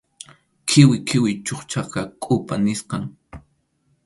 Qʼiwi qʼiwi chukchaqa kʼupa nisqam.